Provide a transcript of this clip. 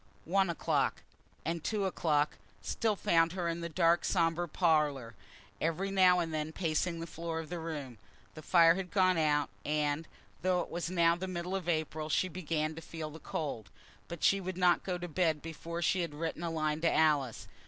One o'clock, and two o'clock, still found her in the dark sombre parlour, every now and then pacing the floor of the room. The fire had gone out, and, though it was now the middle of April, she began to feel the cold. But she would not go to bed before she had written a line to Alice.